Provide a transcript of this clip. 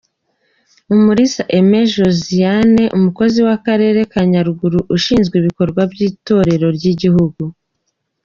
Umulisa Aimée Josiane umukozi w’Akarere ka Nyaruguru ushinzwe ibikorwa by’itorero ry’Igihugu.